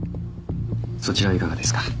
そちらはいかがですか？